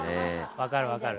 分かる分かる。